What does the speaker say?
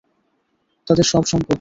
তাদের সব সম্পদ।